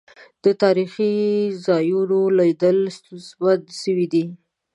د تاريخي ځا يونوليدل ستونزمن سويدی.